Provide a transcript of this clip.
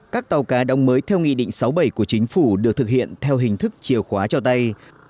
các tàu cá đóng mới theo nghị định sáu bảy của chính phủ được thực hiện theo hình thức chìa khóa cho tay